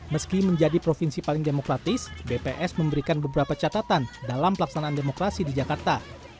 meski menjadi provinsi paling demokratis bps memberikan beberapa catatan dalam pelaksanaan demokrasi di jakarta